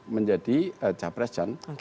menjadi jawa presiden